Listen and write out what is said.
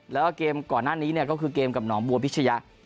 แล้วก็เกมก่อนหน้านี้เนี่ยก็คือเกมกับหนองบัวพิชยะ